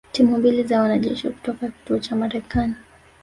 timu mbili za wanajeshi kutoka kituo cha Marekani